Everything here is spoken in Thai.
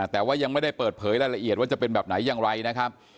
แต่ว่ายังไม่ได้เปิดเผยรายละเอียดว่าจะเป็นแบบไหนอย่างไรนะครับ